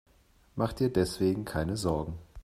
Mach dir deswegen keine Sorgen.